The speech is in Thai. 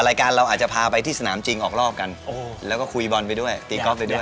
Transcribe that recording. รายการเราอาจจะพาไปที่สนามจริงออกรอบกันแล้วก็คุยบอลไปด้วยตีกอล์ไปด้วย